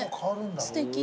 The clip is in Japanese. すてき。